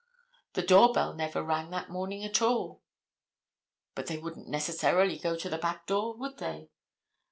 The door bell never rang that morning at all." "But they wouldn't necessarily go to the back door, would they?"